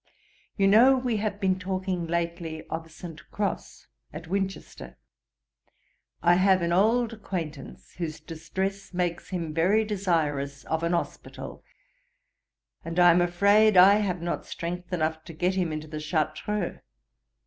'You know we have been talking lately of St. Cross, at Winchester; I have an old acquaintance whose distress makes him very desirous of an hospital, and I am afraid I have not strength enough to get him into the Chartreux.